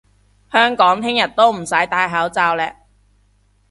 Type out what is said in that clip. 香港聽日都唔使戴口罩嘞！